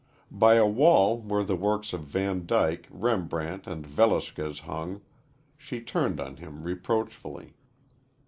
By a wall where the works of Van Dyck, Rembrandt and Velasquez hung, she turned on him reproachfully.